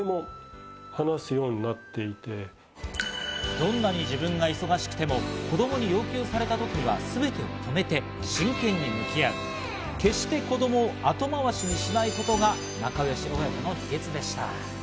どんなに自分が忙しくても、子供に要求された時にはすぐに止めて真剣に向き合う、決して子供を後回しにしないことが仲良しでいる秘訣でした。